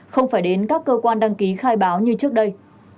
không phải đến các cơ quan đăng ký khai báo như trước đây